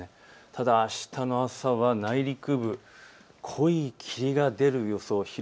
ただ、あしたの朝は内陸部、濃い霧が出る予想です。